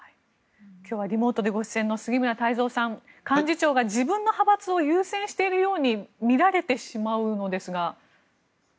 今日はリモートでご出演の杉村太蔵さん幹事長が自分の派閥を優先しているように見られてしまうのですが。